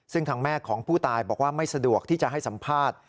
ซึ่งทางแม่ของผู้ตายบอกว่าไม่สะดวกที่จะให้สัมภาษณ์